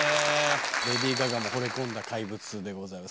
レディー・ガガも惚れ込んだ怪物でございます。